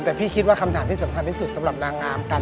แต่พี่คิดว่าคำถามที่สำคัญที่สุดสำหรับนางงามกัน